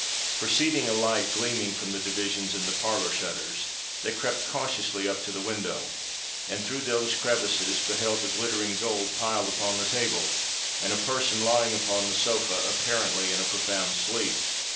Perceiving a light gleaming from the divisions in the parlour shutters, they crept cautiously up to the window, and through those crevices beheld the glittering gold piled upon the table, and a person lying upon the sofa, apparently in a profound sleep.